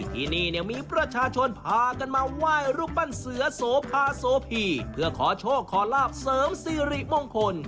ที่นี่เนี่ยมีประชาชนพากันมาไหว้รูปปั้นเสือโสภาโสพีเพื่อขอโชคขอลาบเสริมสิริมงคล